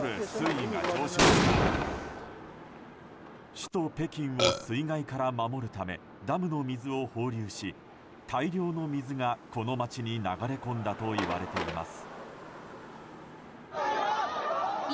首都・北京を水害から守るためダムの水を放流し大量の水がこの街に流れ込んだといわれています。